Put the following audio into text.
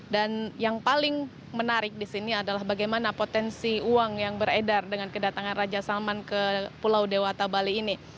dan yang paling menarik di sini adalah bagaimana potensi uang yang beredar dengan kedatangan raja salman ke pulau dewata bali ini